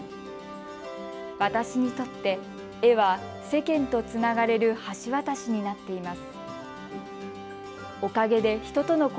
私にとって絵は世間とつながれる橋渡しになっています。